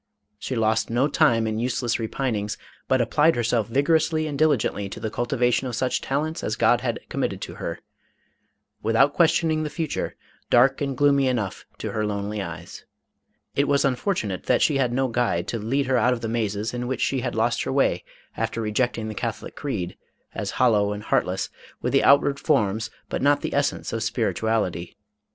She lost no time in useless repinings, but applied herself vigorously and diligently to the cultivation of such talents as God had committed to her, without questioning the future, dark and gloomy enough to her lonely eyes. It was unfor tunate that she had no guide to lead her out of the mazes in which she had lost her way after rejecting the Catholic creed, as hollow and heartless, with the outward forms but not the essence of spirituality.